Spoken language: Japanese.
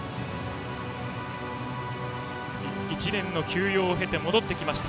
１年の休養を経て戻ってきました